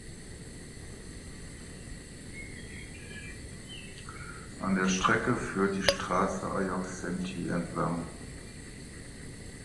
An der Strecke führt die Straße Ajoksentie entlang.